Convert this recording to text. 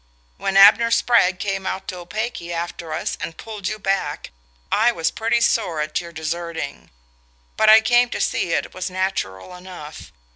When Abner Spragg came out to Opake after us and pulled you back I was pretty sore at your deserting; but I came to see it was natural enough.